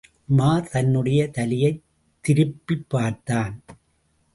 உமார் தன்னுடைய தலையைத் திருப்பிப் பார்த்தான்.